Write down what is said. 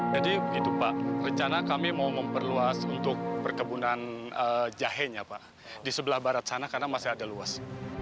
jadi begitu pak rencana kami mau memperluas untuk perkebunan jahenya pak di sebelah barat sana karena masih ada luas